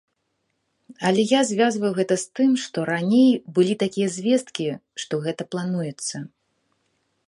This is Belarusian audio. Але я звязваю гэта з тым, што раней былі такія звесткі, што гэта плануецца.